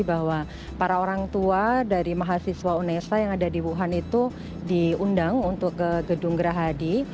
bahwa para orang tua dari mahasiswa unesa yang ada di wuhan itu diundang untuk ke gedung gerahadi